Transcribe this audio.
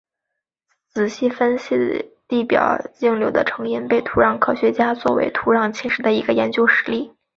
仔细分析地表径流的成因被土壤科学家作为土壤侵蚀的一个研究实例。